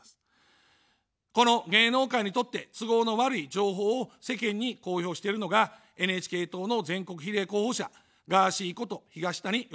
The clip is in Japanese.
この、芸能界にとって都合の悪い情報を世間に公表しているのがＮＨＫ党の全国比例候補者ガーシーこと東谷義和です。